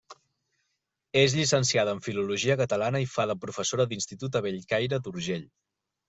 És llicenciada en Filologia Catalana i fa de professora d'institut a Bellcaire d'Urgell.